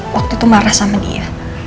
waktu itu marah sama dia